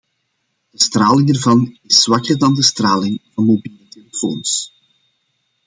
De straling ervan is zwakker dan de straling van mobiele telefoons.